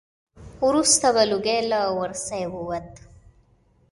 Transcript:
وروسته به لوګی له ورسی ووت.